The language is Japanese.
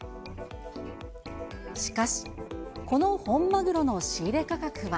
しかし、この本マグロの仕入れ価格は。